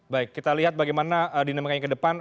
baik kita lihat bagaimana dinamakan yang ke depan